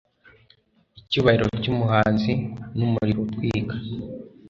icyubahiro cyumuhanzi numuriro utwika